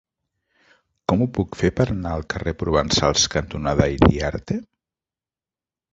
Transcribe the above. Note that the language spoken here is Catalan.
Com ho puc fer per anar al carrer Provençals cantonada Iriarte?